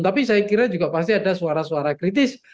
tapi saya kira juga pasti ada suara suara kritis